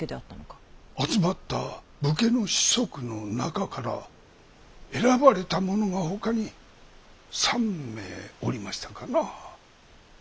集まった武家の子息の中から選ばれた者がほかに３名おりましたかな。